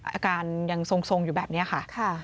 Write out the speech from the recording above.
อาการยังทรงอยู่แบบนี้ค่ะ